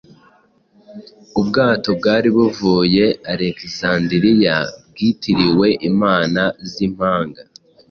Ubwato bwari buvuye Alekizanderiya bwitiriwe imana z’impanga